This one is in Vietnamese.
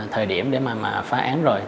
thời điểm để mà phá án rồi